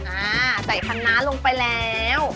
อ่าใส่คณะลงไปแล้ว